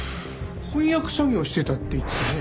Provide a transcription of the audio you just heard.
翻訳作業をしてたって言ってたね。